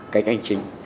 cái cách hành trình